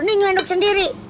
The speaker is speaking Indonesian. nih nyuendok sendiri